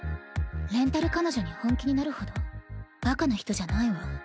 レンタル彼女に本気になるほどバカな人じゃないわ。